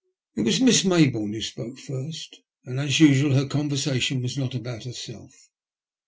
158 It was Miss Mayboume who spoke first, and, as usual, her conversation was not about herself.